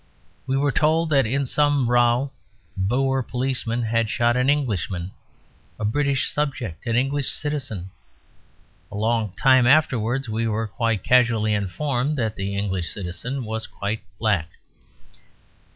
We were told that in some row Boer policemen had shot an Englishman, a British subject, an English citizen. A long time afterwards we were quite casually informed that the English citizen was quite black.